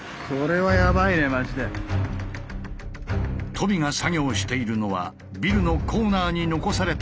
とびが作業しているのはビルのコーナーに残されたパイプ。